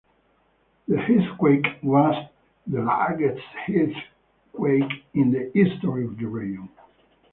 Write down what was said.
The earthquake was the largest earthquake in the history of the region.